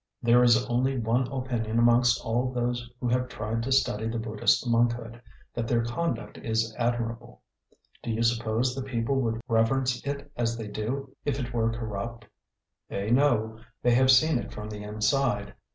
There is only one opinion amongst all those who have tried to study the Buddhist monkhood that their conduct is admirable. Do you suppose the people would reverence it as they do if it were corrupt? They know: they have seen it from the inside.